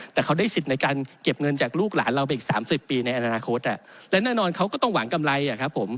แต่เขาได้สิทธิ์ในการเก็บเงินจากลูกหลานเราไปอีก๓๐ปีในอนาคตและแน่นอนเขาก็ต้องหวังกำไรอะครับผม